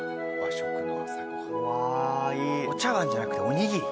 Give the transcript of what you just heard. お茶わんじゃなくておにぎり。